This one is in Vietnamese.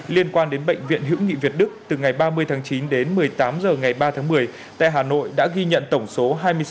liên quan đến bệnh viện hữu nghị việt đức từ ngày ba mươi tháng chín đến một mươi tám h ngày ba tháng một mươi tại hà nội đã ghi nhận tổng số hai mươi sáu ca